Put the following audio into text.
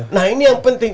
nah ini yang penting